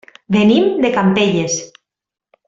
Venim de Campelles.